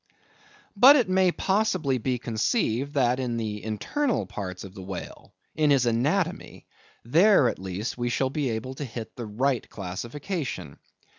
But it may possibly be conceived that, in the internal parts of the whale, in his anatomy—there, at least, we shall be able to hit the right classification.